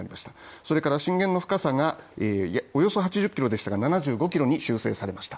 それから震源の深さが、およそ８０キロでしたが７５キロに修正されました。